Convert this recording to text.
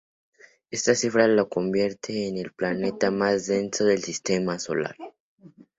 Esta cifra lo convierte en el planeta más denso del sistema solar.